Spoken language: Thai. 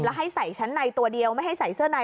แล้วให้ใส่ชั้นในตัวเดียวไม่ให้ใส่เสื้อใน